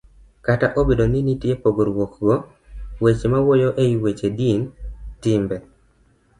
Kata obedo ni nitie pogruokgo, weche ma wuoyo e wi weche din, timbe